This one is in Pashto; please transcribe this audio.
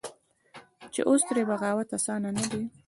چې اوس ترې بغاوت اسانه نه دى.